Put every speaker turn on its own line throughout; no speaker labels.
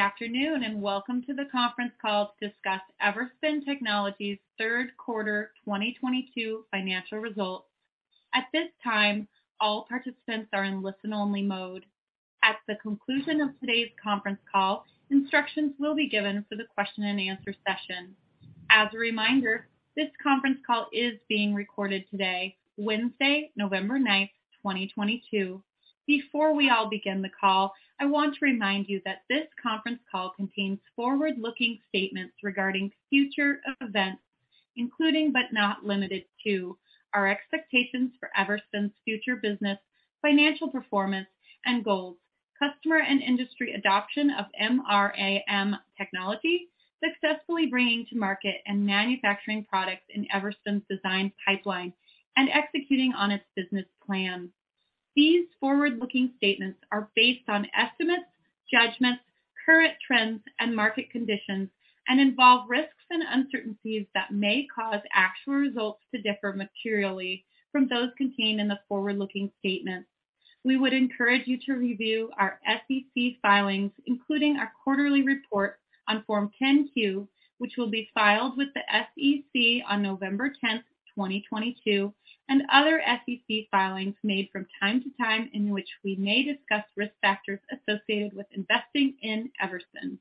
Good afternoon, and welcome to the conference call to discuss Everspin Technologies' third quarter 2022 financial results. At this time, all participants are in listen-only mode. At the conclusion of today's conference call, instructions will be given for the question and answer session. As a reminder, this conference call is being recorded today, Wednesday, November 9, 2022. Before we all begin the call, I want to remind you that this conference call contains forward-looking statements regarding future events, including, but not limited to, our expectations for Everspin's future business, financial performance and goals, customer and industry adoption of MRAM technology, successfully bringing to market and manufacturing products in Everspin's design pipeline and executing on its business plan. These forward-looking statements are based on estimates, judgments, current trends and market conditions, and involve risks and uncertainties that may cause actual results to differ materially from those contained in the forward-looking statements. We would encourage you to review our SEC filings, including our quarterly report on Form 10-Q, which will be filed with the SEC on November 10, 2022, and other SEC filings made from time to time in which we may discuss risk factors associated with investing in Everspin.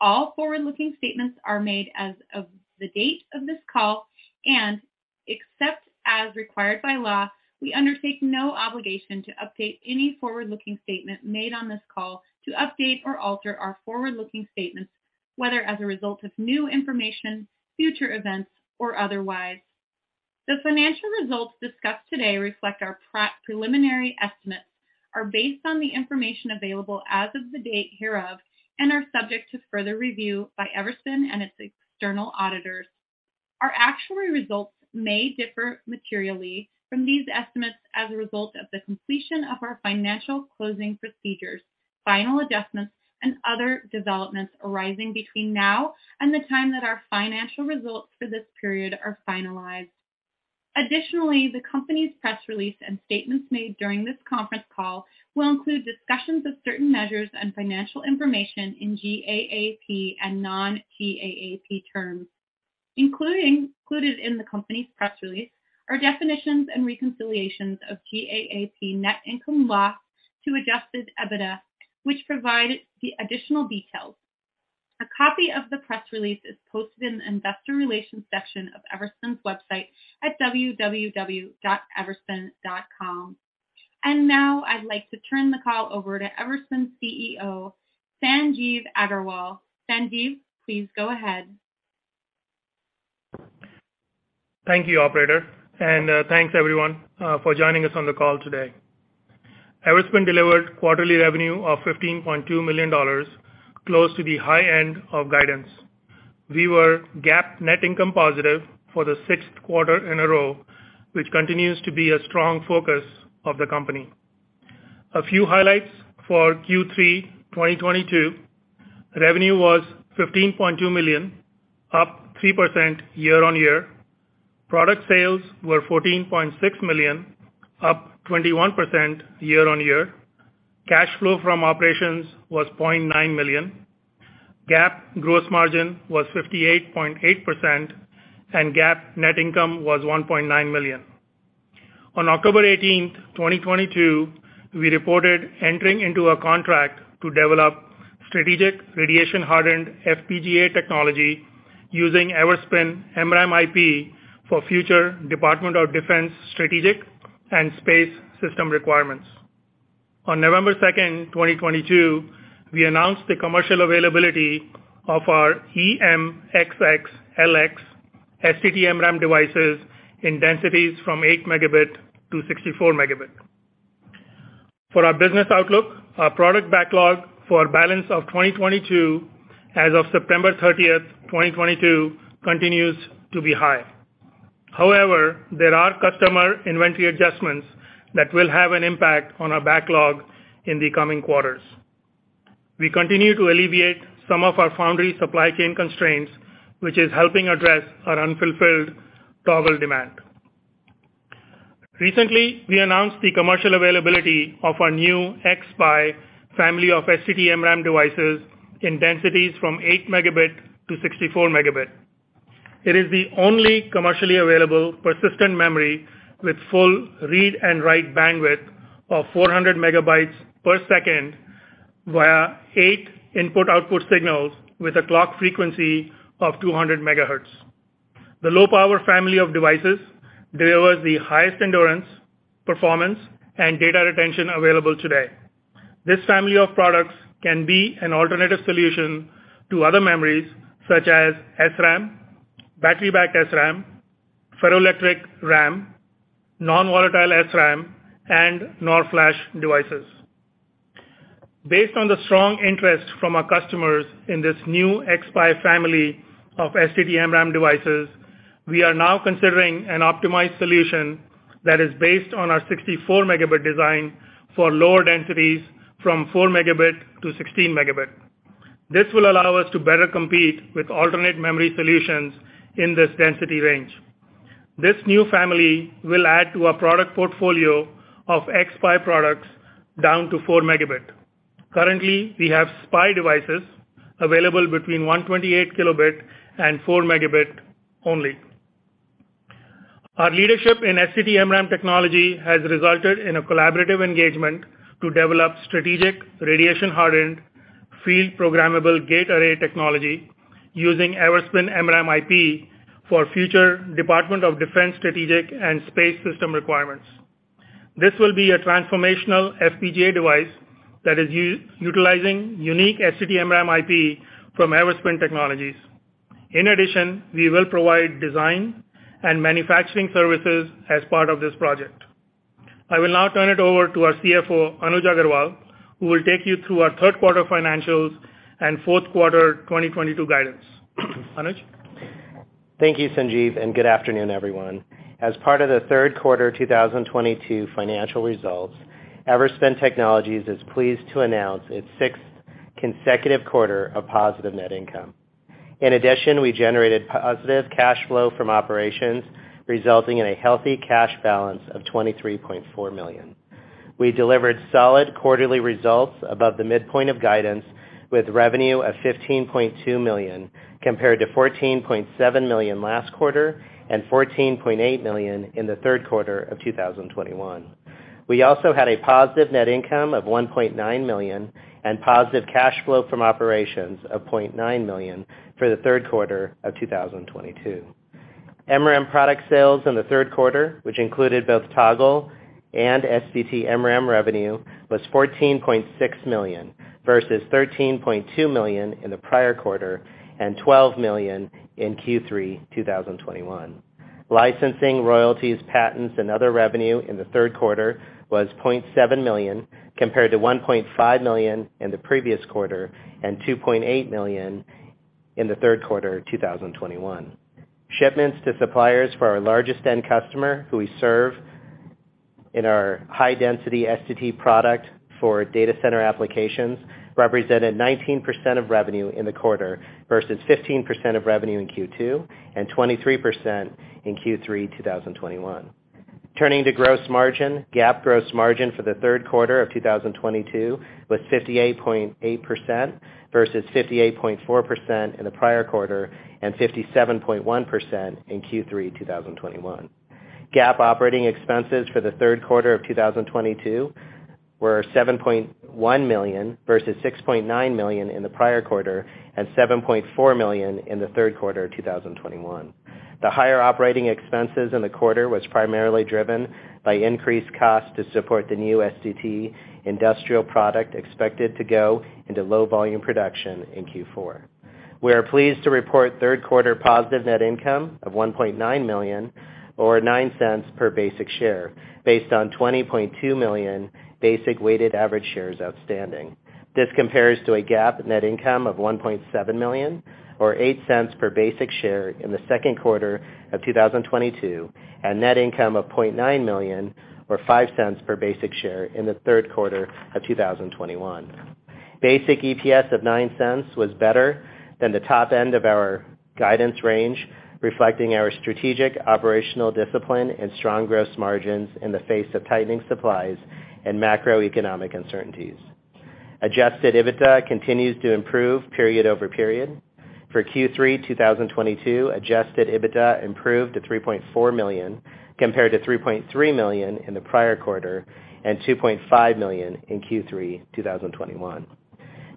All forward-looking statements are made as of the date of this call, and except as required by law, we undertake no obligation to update any forward-looking statement made on this call to update or alter our forward-looking statements, whether as a result of new information, future events or otherwise. The financial results discussed today reflect our preliminary estimates are based on the information available as of the date hereof and are subject to further review by Everspin and its external auditors. Our actual results may differ materially from these estimates as a result of the completion of our financial closing procedures, final adjustments and other developments arising between now and the time that our financial results for this period are finalized. Additionally, the company's press release and statements made during this conference call will include discussions of certain measures and financial information in GAAP and non-GAAP terms. Included in the company's press release are definitions and reconciliations of GAAP net income loss to adjusted EBITDA, which provide the additional details. A copy of the press release is posted in the investor relations section of Everspin's website at www.everspin.com. Now I'd like to turn the call over to Everspin CEO, Sanjeev Aggarwal. Sanjeev, please go ahead.
Thank you, operator, and thanks everyone for joining us on the call today. Everspin delivered quarterly revenue of $15.2 million, close to the high end of guidance. We were GAAP net income positive for the sixth quarter in a row, which continues to be a strong focus of the company. A few highlights for Q3 2022. Revenue was $15.2 million, up 3% year-over-year. Product sales were $14.6 million, up 21% year-over-year. Cash flow from operations was $0.9 million. GAAP gross margin was 58.8%, and GAAP net income was $1.9 million. On October eighteenth, 2022, we reported entering into a contract to develop strategic radiation-hardened FPGA technology using Everspin MRAM IP for future Department of Defense strategic and space system requirements. On November 2nd 2022, we announced the commercial availability of our EMxxLX STT-MRAM devices in densities from 8 Mb to 64 Mb. For our business outlook, our product backlog for balance of 2022 as of September 30, 2022, continues to be high. However, there are customer inventory adjustments that will have an impact on our backlog in the coming quarters. We continue to alleviate some of our foundry supply chain constraints, which is helping address our unfulfilled toggle demand. Recently, we announced the commercial availability of our new xSPI family of STT-MRAM devices in densities from 8 megabit to 64 Mb. It is the only commercially available persistent memory with full read and write bandwidth of 400 MB/s via 8 input-output signals with a clock frequency of 200 MHz. The low power family of devices delivers the highest endurance, performance and data retention available today. This family of products can be an alternative solution to other memories such as SRAM, battery-backed SRAM, Ferroelectric RAM, non-volatile SRAM, and NOR flash devices. Based on the strong interest from our customers in this new xSPI family of STT-MRAM devices, we are now considering an optimized solution that is based on our 64-Mb design for lower densities from 4 Mb to 16 Mb. This will allow us to better compete with alternate memory solutions in this density range. This new family will add to our product portfolio of xSPI products down to 4 Mb. Currently, we have SPI devices available between 128 Kb and 4 Mb only. Our leadership in STT-MRAM technology has resulted in a collaborative engagement to develop strategic radiation-hardened field programmable gate array technology using Everspin MRAM IP for future Department of Defense strategic and space system requirements. This will be a transformational FPGA device that is utilizing unique STT-MRAM IP from Everspin Technologies. In addition, we will provide design and manufacturing services as part of this project. I will now turn it over to our CFO, Anuj Aggarwal, who will take you through our third quarter financials and fourth quarter 2022 guidance. Anuj.
Thank you, Sanjeev, and good afternoon, everyone. As part of the third quarter 2022 financial results, Everspin Technologies is pleased to announce its sixth consecutive quarter of positive net income. In addition, we generated positive cash flow from operations, resulting in a healthy cash balance of $23.4 million. We delivered solid quarterly results above the midpoint of guidance, with revenue of $15.2 million, compared to $14.7 million last quarter and $14.8 million in the third quarter of 2021. We also had a positive net income of $1.9 million and positive cash flow from operations of $0.9 million for the third quarter of 2022. MRAM product sales in the third quarter, which included both Toggle and STT-MRAM revenue, was $14.6 million versus $13.2 million in the prior quarter and $12 million in Q3 2021. Licensing, royalties, patents, and other revenue in the third quarter was $0.7 million, compared to $1.5 million in the previous quarter and $2.8 million in the third quarter of 2021. Shipments to suppliers for our largest end customer who we serve in our high-density STT product for data center applications represented 19% of revenue in the quarter versus 15% of revenue in Q2 and 23% in Q3 2021. Turning to gross margin, GAAP gross margin for the third quarter of 2022 was 58.8% versus 58.4% in the prior quarter and 57.1% in Q3 2021. GAAP operating expenses for the third quarter of 2022 were $7.1 million versus $6.9 million in the prior quarter and $7.4 million in the third quarter of 2021. The higher operating expenses in the quarter was primarily driven by increased costs to support the new STT industrial product expected to go into low volume production in Q4. We are pleased to report third quarter positive net income of $1.9 million or $0.09 per basic share based on 20.2 million basic weighted average shares outstanding. This compares to a GAAP net income of $1.7 million or $0.08 per basic share in the second quarter of 2022, and net income of $0.9 million or $0.05 per basic share in the third quarter of 2021. Basic EPS of $0.09 was better than the top end of our guidance range, reflecting our strategic operational discipline and strong gross margins in the face of tightening supplies and macroeconomic uncertainties. Adjusted EBITDA continues to improve period-over-period. For Q3 2022, adjusted EBITDA improved to $3.4 million compared to $3.3 million in the prior quarter and $2.5 million in Q3 2021.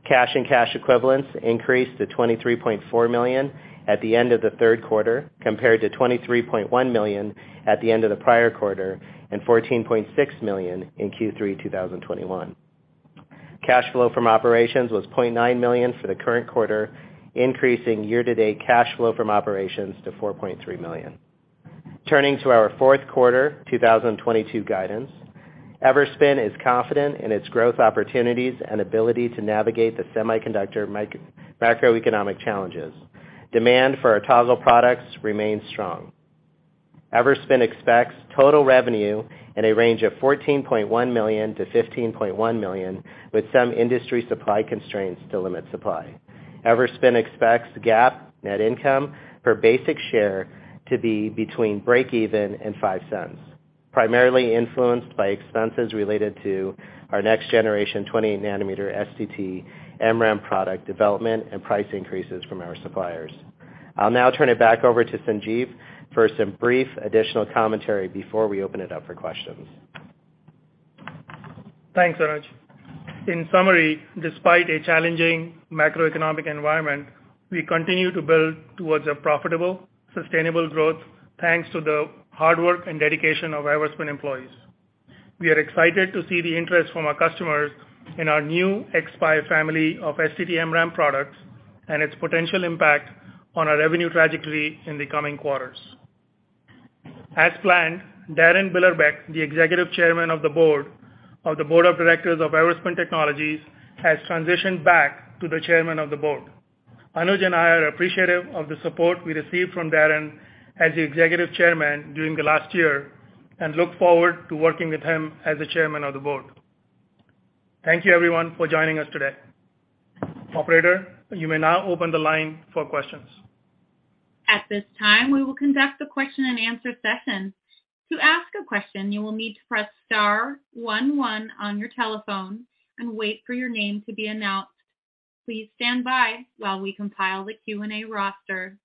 Cash and cash equivalents increased to $23.4 million at the end of the third quarter, compared to $23.1 million at the end of the prior quarter and $14.6 million in Q3 2021. Cash flow from operations was $0.9 million for the current quarter, increasing year-to-date cash flow from operations to $4.3 million. Turning to our fourth quarter 2022 guidance, Everspin is confident in its growth opportunities and ability to navigate the semiconductor macroeconomic challenges. Demand for our Toggle products remains strong. Everspin expects total revenue in a range of $14.1 million-$15.1 million, with some industry supply constraints to limit supply. Everspin expects GAAP net income per basic share to be between breakeven and $0.05, primarily influenced by expenses related to our next generation 20-nanometer STT-MRAM product development and price increases from our suppliers. I'll now turn it back over to Sanjeev for some brief additional commentary before we open it up for questions.
Thanks, Anuj. In summary, despite a challenging macroeconomic environment, we continue to build towards a profitable, sustainable growth thanks to the hard work and dedication of Everspin employees. We are excited to see the interest from our customers in our new xSPI family of STT-MRAM products and its potential impact on our revenue trajectory in the coming quarters. As planned, Darin Billerbeck, the Executive Chairman of the Board of Directors of Everspin Technologies, has transitioned back to the Chairman of the Board. Anuj and I are appreciative of the support we received from Darin as the Executive Chairman during the last year and look forward to working with him as the Chairman of the Board. Thank you everyone for joining us today. Operator, you may now open the line for questions.
At this time, we will conduct a question and answer session. To ask a question, you will need to press star one one on your telephone and wait for your name to be announced. Please stand by while we compile the Q&A roster.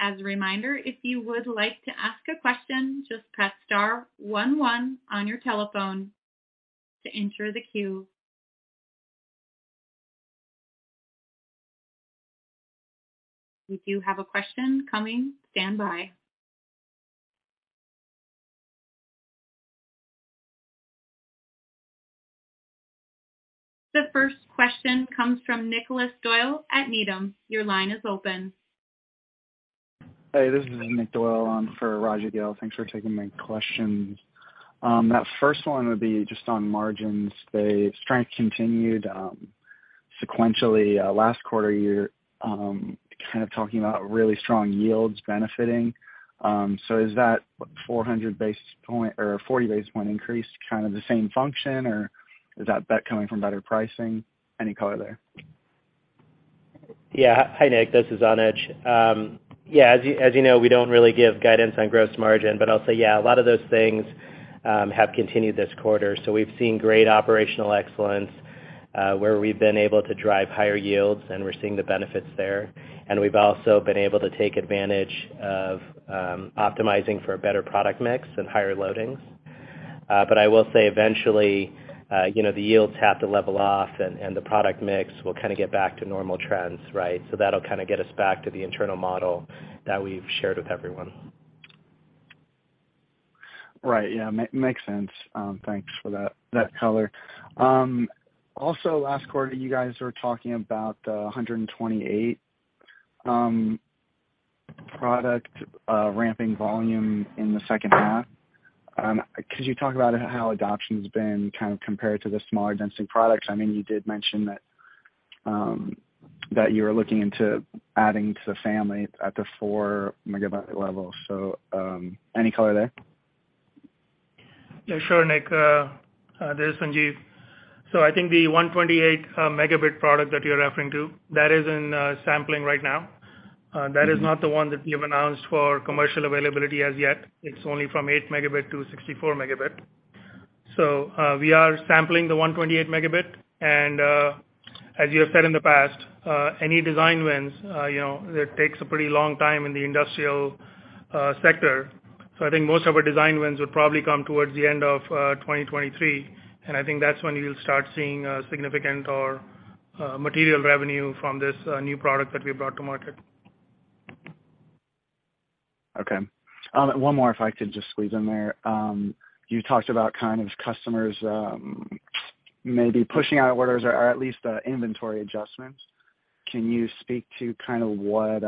As a reminder, if you would like to ask a question, just press star one one on your telephone to enter the queue. We do have a question coming. Stand by. The first question comes from Nicholas Doyle at Needham. Your line is open.
Hey, this is Nick Doyle, a question for Anuj Aggarwal. Thanks for taking my questions. That first one would be just on margins. The strength continued, sequentially, last quarter year. Kind of talking about really strong yields benefiting. Is that 400 basis point or 40 basis point increase kind of the same function, or is that coming from better pricing? Any color there?
Yeah. Hi, Nick. This is Anuj. We don't really give guidance on gross margin, but I'll say, yeah, a lot of those things have continued this quarter. We've seen great operational excellence, where we've been able to drive higher yields, and we're seeing the benefits there. We've also been able to take advantage of optimizing for a better product mix and higher loadings. I will say eventually the yields have to level off and the product mix will kind of get back to normal trends, right? That'll kind of get us back to the internal model that we've shared with everyone.
Right. Yeah, makes sense. Thanks for that color. Also last quarter, you guys were talking about the 128 product ramping volume in the second half. Could you talk about how adoption's been kind of compared to the smaller density products? I mean, you did mention that you were looking into adding to the family at the 4 MB level. Any color there?
Yeah, sure, Nick. This is Sanjeev. I think the 128 Mb product that you're referring to, that is in sampling right now. That is not the one that we have announced for commercial availability as yet. It's only from 8 Mb to 64 Mb. We are sampling the 128 megabit and, as you have said in the past, any design wins, it takes a pretty long time in the industrial sector. I think most of our design wins would probably come towards the end of 2023, and I think that's when you'll start seeing a significant or material revenue from this new product that we brought to market.
Okay. One more, if I could just squeeze in there. You talked about kind of customers, maybe pushing out orders or at least, inventory adjustments. Can you speak to kind of what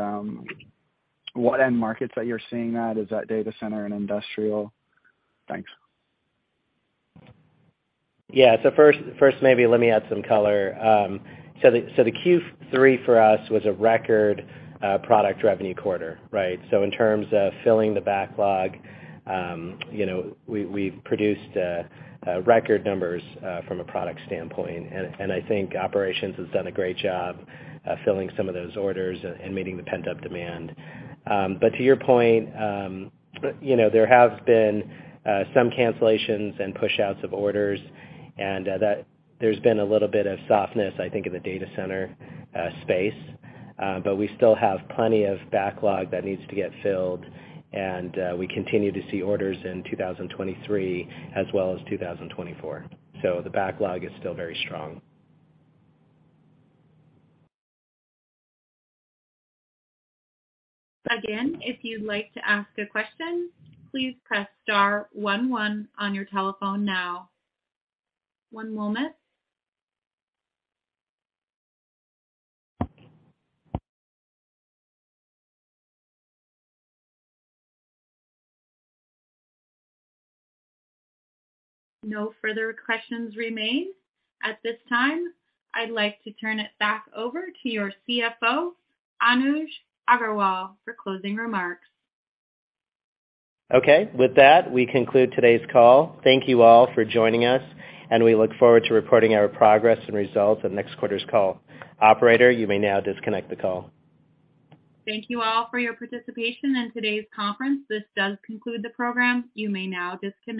end markets that you're seeing that? Is that data center and industrial? Thanks.
Yeah. First, maybe let me add some color. The Q3 for us was a record product revenue quarter, right? In terms of filling the backlog, we produced record numbers from a product standpoint. I think operations has done a great job filling some of those orders and meeting the pent-up demand. To your point there have been some cancellations and push-outs of orders and that there's been a little bit of softness, I think, in the data center space. We still have plenty of backlog that needs to get filled and we continue to see orders in 2023 as well as 2024. The backlog is still very strong.
Again, if you'd like to ask a question, please press star one one on your telephone now. One moment. No further questions remain. At this time, I'd like to turn it back over to your CFO, Anuj Aggarwal for closing remarks.
Okay. With that, we conclude today's call. Thank you all for joining us, and we look forward to reporting our progress and results on next quarter's call. Operator, you may now disconnect the call.
Thank you all for your participation in today's conference. This does conclude the program. You may now disconnect.